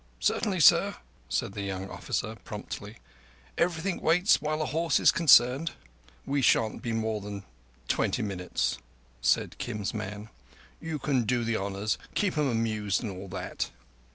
"Certainly, sir," said the young officer promptly. "Everything waits while a horse is concerned." "We shan't be more than twenty minutes," said Kim's man. "You can do the honours—keep 'em amused, and all that."